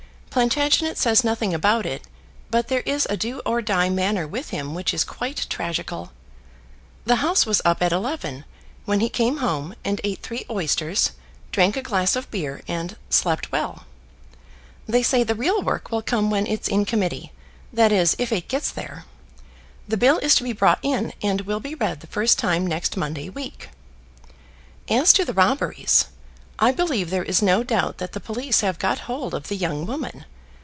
Plantagenet says nothing about it, but there is a do or die manner with him which is quite tragical. The House was up at eleven, when he came home and eat three oysters, drank a glass of beer, and slept well. They say the real work will come when it's in Committee; that is, if it gets there. The bill is to be brought in, and will be read the first time next Monday week. As to the robberies, I believe there is no doubt that the police have got hold of the young woman.